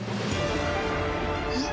えっ？